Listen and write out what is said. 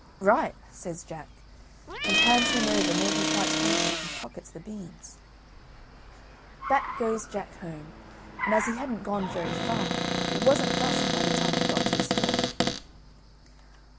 "Right," says Jack, and hands him over Milky white's halter and pockets the beans. Back goes Jack home, and as he hadn't gone very far it wasn't dusk by the time he got to his door.